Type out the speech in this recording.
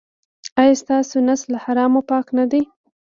ایا ستاسو نس له حرامو پاک نه دی؟